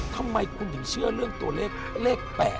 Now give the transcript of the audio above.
ทำไมคุณถึงเชื่อเรื่องตัวเลขเลข๘